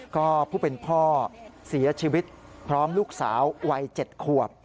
ก็ผู้เป็นพ่อเสียชีวิตพร้อมลูกสาววัย๗ขวบ